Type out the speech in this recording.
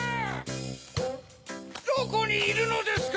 どこにいるのですか！